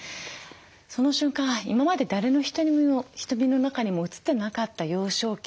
その瞬間今まで誰の瞳の中にも映ってなかった幼少期。